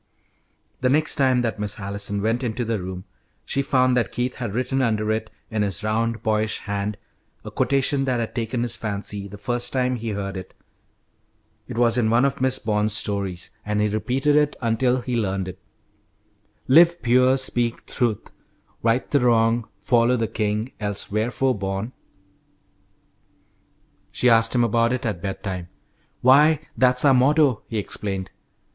The next time that Miss Allison went into the room she found that Keith had written under it in his round, boyish hand, a quotation that had taken his fancy the first time he heard it. It was in one of Miss Bond's stories, and he repeated it until he learned it: "Live pure, speak truth, right the wrong, follow the king; else wherefore born?" She asked him about it at bedtime. "Why, that's our motto," he explained.